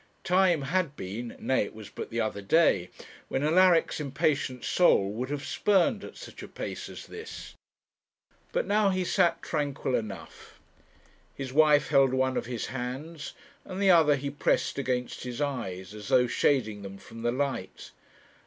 Time had been nay, it was but the other day when Alaric's impatient soul would have spurned at such a pace as this. But now he sat tranquil enough. His wife held one of his hands, and the other he pressed against his eyes, as though shading them from the light.